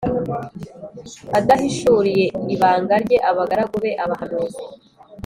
adahishuriye ibanga rye abagaragu be, abahanuzi.